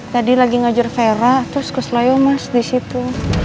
tadi lagi ngajar vera terus keselayaan mas disitu